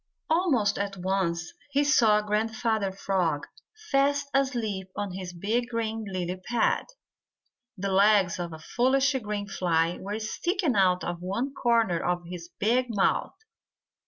Almost at once he saw Grandfather Frog fast asleep on his big green lily pad. The legs of a foolish green fly were sticking out of one corner of his big mouth.